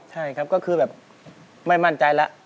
ใช่ครับก็คือแบบไม่มั่นใจแล้ว